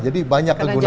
jadi banyak kegunaannya